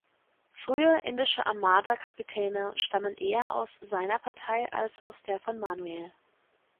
Frühe indische Armada-Kapitäne stammen eher aus seiner Partei als aus der von Manuel.